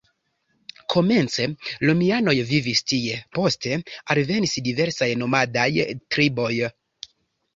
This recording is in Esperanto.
Komence romianoj vivis tie, poste alvenis diversaj nomadaj triboj.